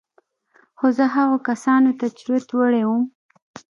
خو زه هغو کسانو ته چورت وړى وم.